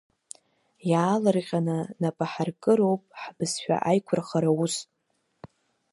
Иаалырҟьаны нап аҳаркыроуп ҳбызшәа аиқәырхара аус.